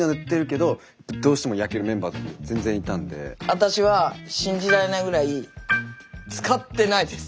私は信じられないぐらい使ってないです。